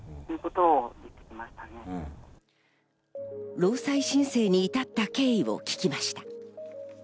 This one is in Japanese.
労災申請に至った経緯を聞きました。